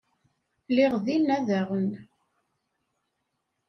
Lliɣ dinna, daɣen.